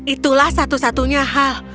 itulah satu satunya hal